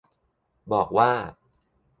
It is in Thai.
บอกว่า